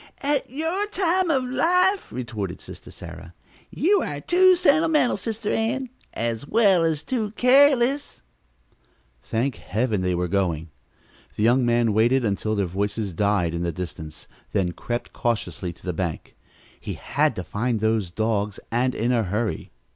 "At your time of life!" retorted Sister Sarah. "You are too sentimental, Sister Ann, as well as too careless." Thank Heaven they were going! The young man waited until their voices died in the distance, then crept cautiously to the bank. He had to find those dogs, and in a hurry.